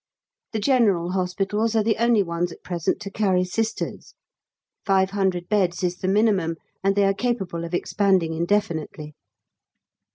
The General Hospitals are the only ones at present to carry Sisters; 500 beds is the minimum, and they are capable of expanding indefinitely.